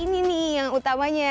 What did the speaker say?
ini nih yang utamanya